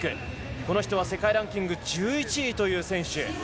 この人は世界ランキング１１位という選手。